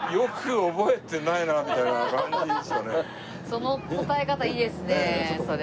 その答え方いいですねそれ。